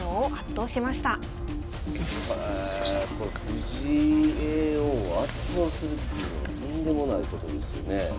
藤井叡王を圧倒するってとんでもないことですよね。